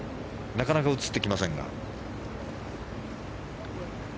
なかなか映ってきませんが。